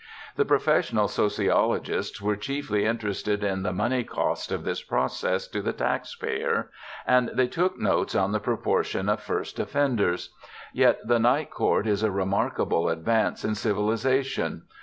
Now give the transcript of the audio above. The professional sociologists were chiefly interested in the money cost of this process to the tax payer, and they took notes on the proportion of first offenders. Yet the Night Court is a remarkable advance in civilization.